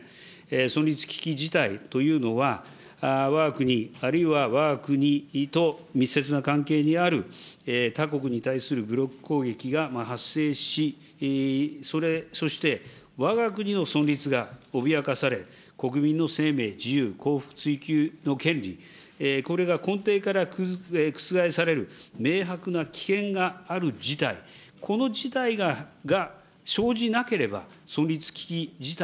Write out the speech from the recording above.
存立危機事態というのは、わが国あるいはわが国と密接な関係にある他国に対する武力攻撃が発生し、そして、わが国の存立が脅かされ、国民の生命、自由、幸福追求の権利、これが根底から覆される明白な危険がある事態、この事態が生じなければ、存立危機事態。